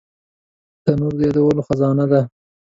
تنور د یادونو خزانه ده